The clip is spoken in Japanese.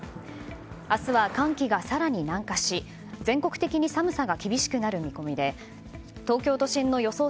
明日は寒気が更に南下し全国的に寒さが厳しくなる見込みで東京都心の予想